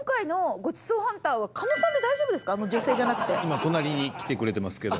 今隣に来てくれてますけど。